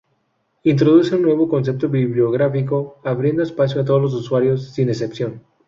Introduce un nuevo concepto biográfico, abriendo espacio a todos los usuarios, sin excepción.